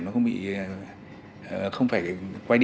nó không phải quay đi